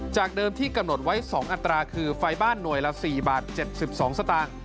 จากเดิมที่กำหนดไว้๒อัตราคือไฟบ้านหน่วยละ๔บาท๗๒สตางค์